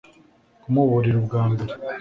kumuburira ubwa mbere